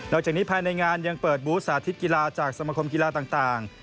จากนี้ภายในงานยังเปิดบูธสาธิตกีฬาจากสมคมกีฬาต่าง